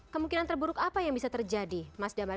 kemungkinan terburuk apa yang bisa terjadi mas damar